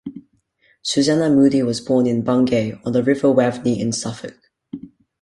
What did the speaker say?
Susanna Moodie was born in Bungay, on the River Waveney in Suffolk.